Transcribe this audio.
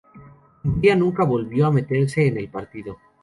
Hungría nunca volvió a meterse en el partido.